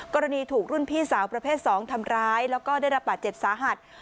กรณีถูกรุ่นพี่สาวประเภท๒ทำร้ายแล้วก็ได้รับบาดเจ็บสาหัส